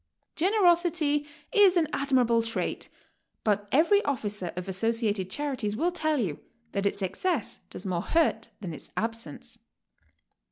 Generosity is an admirable trait, but every officer of Associated Charities will tel'l you that its excess does more hurt than its absence.